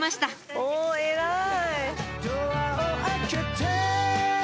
お偉い。